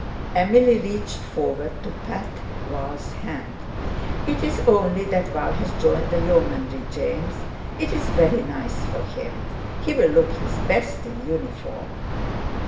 Emily reached forward to pat Val's hand. "It's only that Val has joined the Yeomanry, James; it's very nice for him. He'll look his best in uniform."